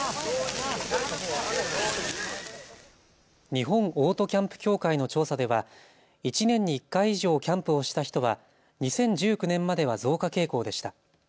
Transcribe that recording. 日本オートキャンプ協会の調査では１年に１回以上キャンプをした人は２０１９年までは増加傾向でした。